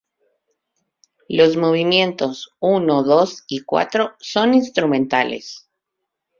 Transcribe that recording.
Los movimientos uno, dos y cuatro son instrumentales.